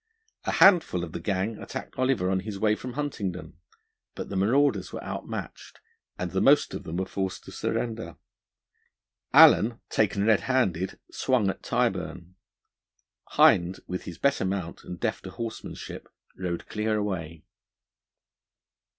A handful of the gang attacked Oliver on his way from Huntingdon, but the marauders were outmatched, and the most of them were forced to surrender. Allen, taken red handed, swung at Tyburn; Hind, with his better mount and defter horsemanship, rode clear away.